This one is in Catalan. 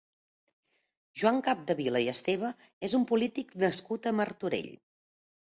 Joan Capdevila i Esteve és un polític nascut a Martorell.